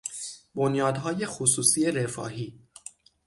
بنیادهای خصوصی رفاهی